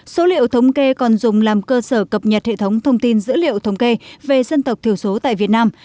số liệu thống kê còn dùng làm cơ sở cập nhật hệ thống thông tin dữ liệu thống kê về dân tộc thiểu số tại việt nam